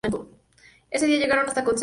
Ese día llegaron hasta Concepción.